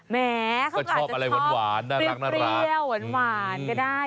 แหมเขาก็จะชอบปริ้วหวานก็ได้